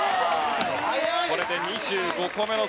これで２５個目の正解。